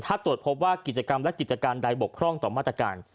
ถ้าตรวจพบว่ากิจกรรมและกิจการใดบกพร่องต่อมาตรการ